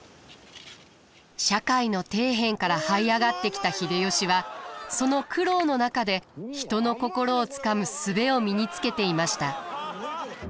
社会の底辺からはい上がってきた秀吉はその苦労の中で人の心をつかむ術を身につけていました。